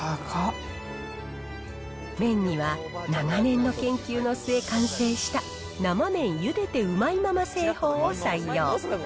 麺には長年の研究の末、完成した、生麺ゆでてうまいまま製法を採用。